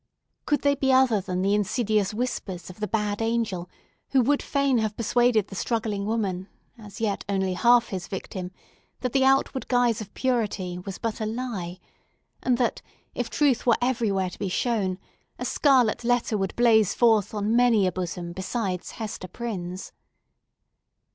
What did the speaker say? Could they be other than the insidious whispers of the bad angel, who would fain have persuaded the struggling woman, as yet only half his victim, that the outward guise of purity was but a lie, and that, if truth were everywhere to be shown, a scarlet letter would blaze forth on many a bosom besides Hester Prynne's?